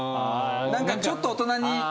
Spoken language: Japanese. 何かちょっと大人に。